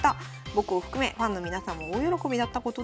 僕を含めファンの皆さんも大喜びだったことでしょう。